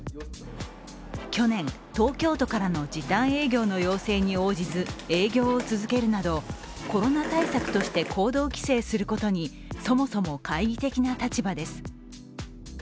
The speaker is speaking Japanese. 去年、東京都からの時短営業の要請に応じず、営業を続けるなど、コロナ対策として行動規制することに、そもそも懐疑的な立場です。